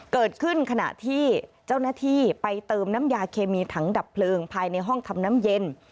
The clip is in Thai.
ขณะที่เจ้าหน้าที่ไปเติมน้ำยาเคมีถังดับเพลิงภายในห้องทำน้ำเย็น